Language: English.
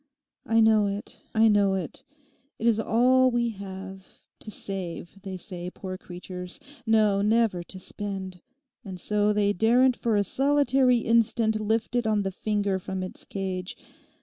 I know it, I know it; it is all we have—"to save," they say, poor creatures. No, never to spend, and so they daren't for a solitary instant lift it on the finger from its cage.